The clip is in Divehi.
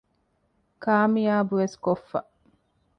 ކާމިޔާބުވެސް ކޮށްފަ